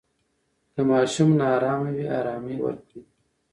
که ماشوم نا آرامه وي، آرامۍ ورکړئ.